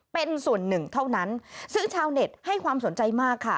เป็นส่วนหนึ่งเท่านั้นซึ่งชาวเน็ตให้ความสนใจมากค่ะ